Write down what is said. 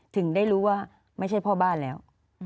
ถึงได้รู้ว่าไม่ใช่พ่อบ้านแล้ว